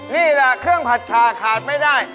นี่แหละเครื่องผัดชาขาดไม่ได้